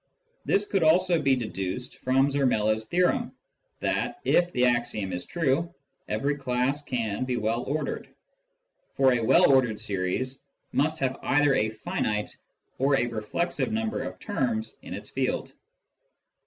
This could also be deduced from Zermelo's theorem, that, if the axiom is true, every class can be well ordered ; for a well ordered series must have either a finite or a reflexive number of terms in its field.